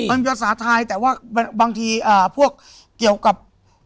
มันภาษาไทยแต่ว่าบางทีพวกเกี่ยวกับ